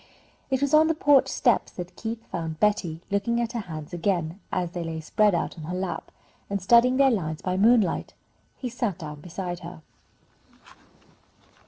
It was on the porch steps that Keith found Betty looking at her hands again, as they lay spread out on her lap, and studying their lines by moonlight. He sat down beside her.